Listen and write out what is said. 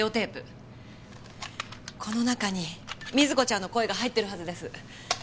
この中に瑞子ちゃんの声が入ってるはずです。